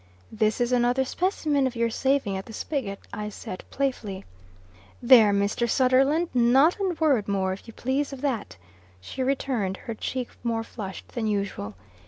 "This is another specimen of your saving at the spigot," I said, playfully. "There, Mr. Sunderland! not a word more, if you please, of that," she returned, her cheek more flushed than usual.